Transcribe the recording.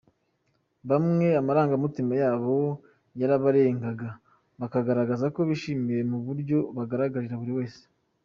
Bamwe amarangamutima yabo yarabarengaga bakagaragaza ko bishimye mu buryo bugaragarira buri wese.